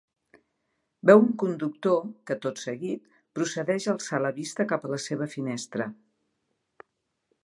Veu un conductor que, tot seguit, procedeix a alçar la vista cap a la seva finestra.